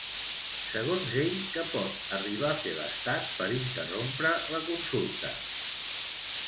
Segons ell, què pot arribar a fer l'estat per interrompre la consulta?